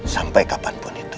sampai kapanpun itu